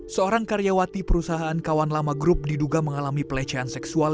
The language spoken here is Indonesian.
seorang karyawati perusahaan kawan lama grup diduga mengalami pelecehan seksual